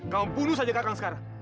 kamu bunuh saja kakang sekarang